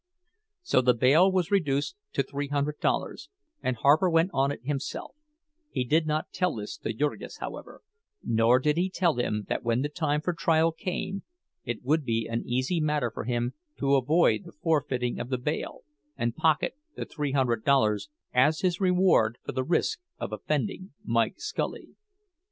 So the bail was reduced to three hundred dollars, and Harper went on it himself; he did not tell this to Jurgis, however—nor did he tell him that when the time for trial came it would be an easy matter for him to avoid the forfeiting of the bail, and pocket the three hundred dollars as his reward for the risk of offending Mike Scully!